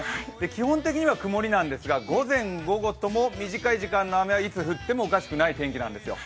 基本的に曇りなんですが午前、午後とも短い時間の雨はいつ降ってもおかしくないんですよ。